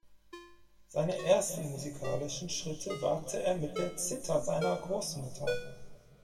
Seine ersten musikalischen Schritte wagte er mit der Zither seiner Großmutter.